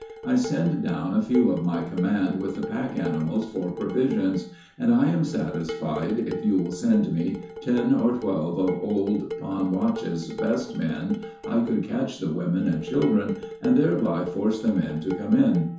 I send down a few of my command with the pack animals for provisions; and I am satisfied if you will send me ten or twelve of old Ponwatchez' best men I could catch the women and children and thereby force the men to come in.